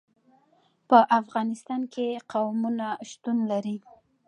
په افغانستان کې قومونه شتون لري.